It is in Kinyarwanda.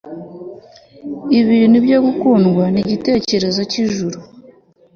ibintu byo gukundwa nkigitekerezo cyijuru